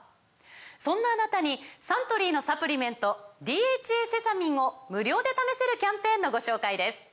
そんなあなたにサントリーのサプリメント「ＤＨＡセサミン」を無料で試せるキャンペーンのご紹介です